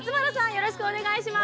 よろしくお願いします。